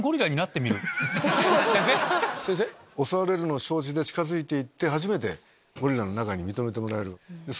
襲われるのを承知で近づいて初めてゴリラの中に認めてもらえる。